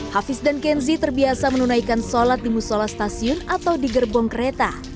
hafiz dan kenzi terbiasa menunaikan sholat di musola stasiun atau di gerbong kereta